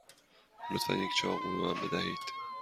لطفا یک چاقو به من بدهید.